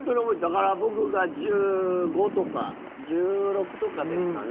だから、僕が１５とか１６とかですかね。